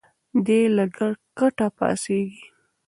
دی له کټه پاڅېږي.